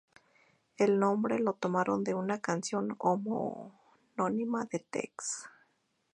El nombre lo tomaron de una canción homónima de Tex.